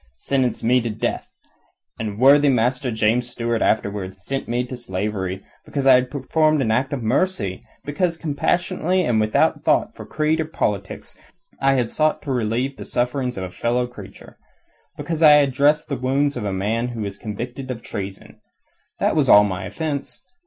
sentenced me to death, and his worthy master James Stuart afterwards sent me into slavery, because I had performed an act of mercy; because compassionately and without thought for creed or politics I had sought to relieve the sufferings of a fellow creature; because I had dressed the wounds of a man who was convicted of treason. That was all my offence.